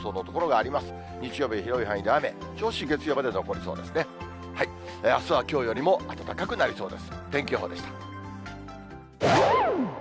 あすはきょうよりも暖かくなりそうです。